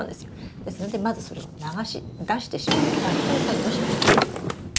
ですのでまずそれを流し出してしまうという作業をしましょう。